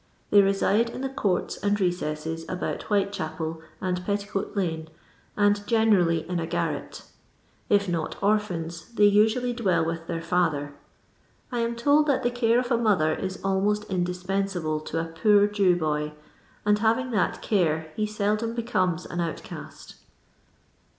Tl«cy reside in the courts and rec' Mcs about Whiiix hapel and Petticoat lane, and generally in a g.irrct It not orphans they usually dwell with their father. 1 am told that the care of a mother is almost indispensable to a poor Jew boy, and hiviiig that care he seldom becomes ;in outcast.